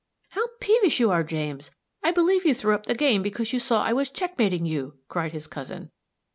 "How peevish you are, James! I believe you threw up the game because you saw I was checkmating you," cried his cousin.